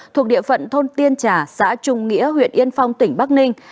thuộc địa phận thôn tiên trà xã trung nghĩa huyện yên phong tỉnh bắc ninh